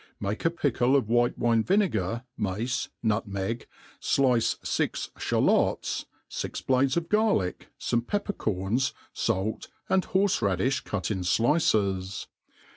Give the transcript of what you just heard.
Make a pickle of white wine vinegar, mace, nutmeg, flice fix (halots, fix blades of garlick, fome pepper corns, fait, and horfe radifh cut in flices.